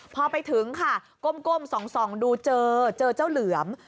พอไปถึงก้มดูเจอเจอเจ้าเหลือง